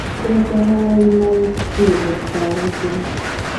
د سهار لمر سترګه ښکاره شوه.